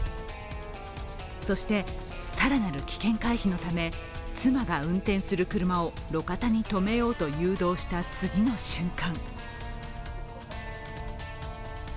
そして、更なる危険回避のため妻が運転する車を路肩にとめようと誘導した次の瞬間